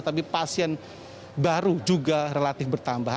tapi pasien baru juga relatif bertambah